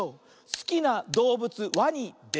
「すきなどうぶつワニです」